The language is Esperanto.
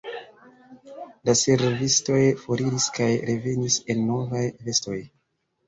La servistoj foriris kaj revenis en novaj vestoj.